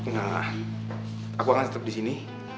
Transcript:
engga aku akan tetep disini